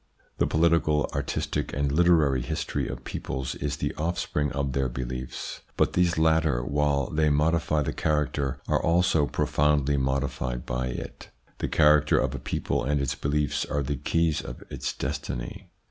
The political, artistic, and literary history of peoples is the offspring of their beliefs ; but these latter, while they modify the character, are also profoundly modi fied by it. The character of a people and its beliefs are the keys of its destiny.